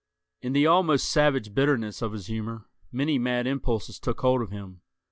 In the almost savage bitterness of his humor many mad impulses took hold of him.